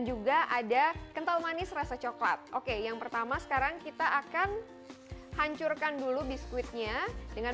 juga ada kental manis rasa coklat oke yang pertama sekarang kita akan hancurkan dulu biskuitnya dengan